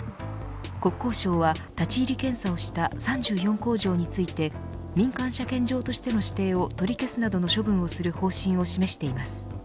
国交省は立ち入り検査をした３４工場について民間車検場としての指定を取り消すなどの処分をする方針を示しています。